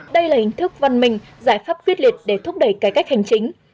đây là hình thức văn minh giải pháp quyết liệt để thúc đẩy cải cách hành chính